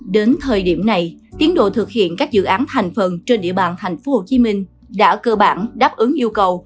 đến thời điểm này tiến độ thực hiện các dự án thành phần trên địa bàn tp hcm đã cơ bản đáp ứng yêu cầu